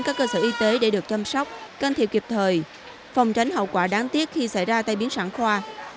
các cơ sở y tế để được chăm sóc can thiệp kịp thời phòng tránh hậu quả đáng tiếc khi xảy ra tai biến sản khoa